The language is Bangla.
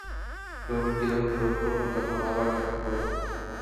ডোমেইনকে যখন প্রয়োগ করবো, তখন আবার দেখা করবে।